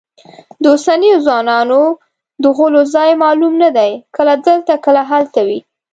د اوسنیو ځوانانو د غولو ځای معلوم نه دی، کله دلته کله هلته وي.